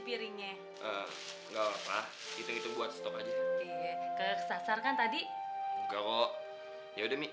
piringnya enggak apa apa itu buat stok aja ke sasarkan tadi nggak kok ya udah